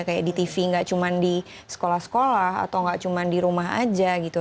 kayak di tv nggak cuma di sekolah sekolah atau nggak cuma di rumah aja gitu